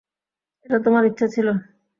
এটা তোমার ইচ্ছা ছিল।